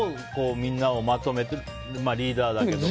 みんなをまとめてるリーダーだけど。